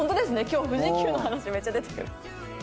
今日富士急の話めっちゃ出てくる。